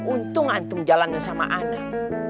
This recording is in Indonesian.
untung antum jalanin sama anak